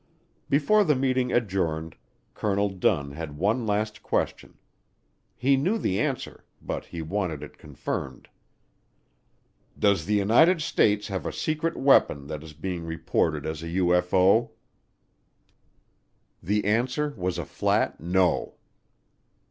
Before the meeting adjourned, Colonel Dunn had one last question. He knew the answer, but he wanted it confirmed. "Does the United States have a secret weapon that is being reported as a UFO?" The answer was a flat "No."